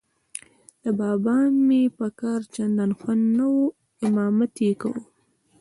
د بابا مې په کار چندان خوند نه و، امامت یې کاوه.